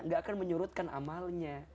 gak akan menyurutkan amalnya